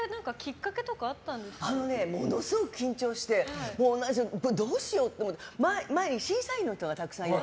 あれはものすごい緊張してどうしようと思って前に審査員の人がたくさんいる。